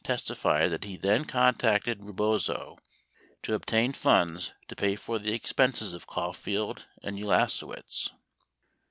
943 tified that he, then contacted Rebozo to obtain funds to pay for the expenses of Caulfield and Ulasewicz.